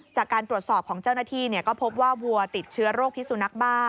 จากการตรวจสอบของเจ้าหน้าที่ก็พบว่าวัวติดเชื้อโรคพิสุนักบ้า